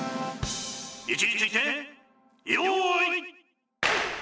位置について用意。